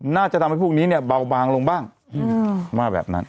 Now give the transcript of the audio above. น่าจะทำให้พวกนี้เนี่ยเบาบางลงบ้างว่าแบบนั้น